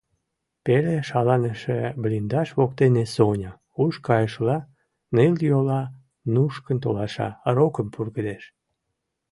Пеле шаланыше блиндаж воктене Соня, уш кайышыла, нылйола нушкын толаша, рокым пургедеш.